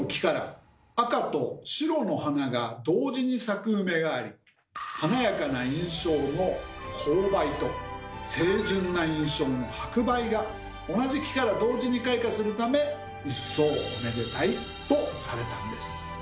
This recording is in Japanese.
このがあり華やかな印象の紅梅と清純な印象の白梅が同じ木から同時に開花するため一層おめでたいとされたんです。